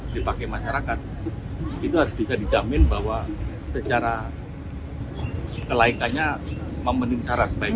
dipakai masyarakat itu harus bisa dijamin bahwa secara kelaikannya memenuhi syarat baik